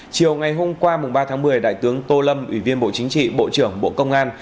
chiều ngày hôm qua ba tháng một mươi đại tướng tô lâm ủy viên bộ chính trị bộ trưởng bộ công an